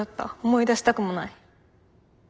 思い出したくもない。